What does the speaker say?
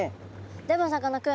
でもさかなクン